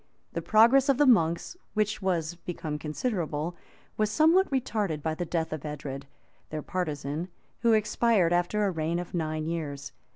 The progress of the monks, which was become considerable, was somewhat retarded by the death of Edred, their partisan, who expired after a reign of nine years.